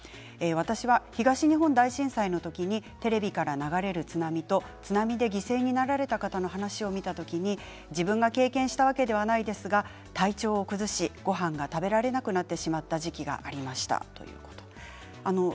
私は東日本大震災の時にテレビから流れる津波と津波で犠牲になられた方の話を見た時に私が経験したわけではないですが体調を崩しごはんが食べられなくなってしまった時期がありました。